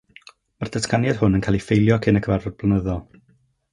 Mae'r datganiad hwn yn cael ei ffeilio cyn y cyfarfod blynyddol.